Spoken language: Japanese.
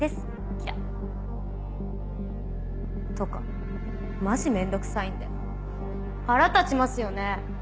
キラっ。とかマジ面倒くさいんで腹立ちますよね。